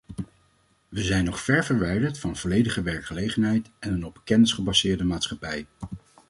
We zijn nog ver verwijderd van volledige werkgelegenheid en een op kennis gebaseerde maatschappij.